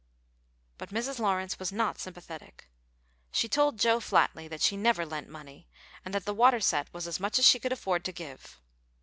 But Mrs. Lawrence was not sympathetic. She told Joe flatly that she never lent money, and that the water set was as much as she could afford to give.